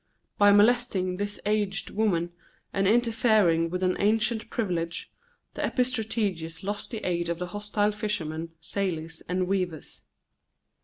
By molesting this aged woman, and interfering with an ancient privilege, the epistrategus lost the aid of the hostile fishermen, sailors, and weavers.